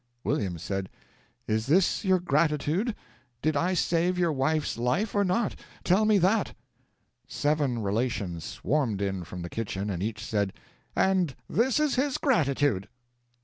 William said, "Is this your gratitude? Did I save your wife's life or not? Tell me that!" Seven relations swarmed in from the kitchen and each said, "And this is his gratitude!"